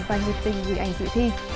và nhiệt tình gửi ảnh dự thi